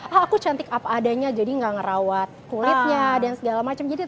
ah aku cantik apa adanya jadi gak ngerawat kulitnya dan segala macam jadi